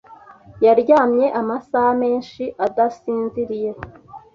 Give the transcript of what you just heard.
Yaryamye amasaha menshi adasinziriye.